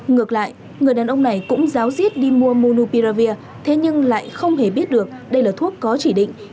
ngược lại người đàn ông này cũng ráo riết đi mua monoprilavir thế nhưng lại không hề biết được đây là thuốc có chỉ định